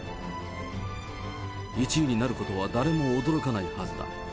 １位になることは誰も驚かないはずだ。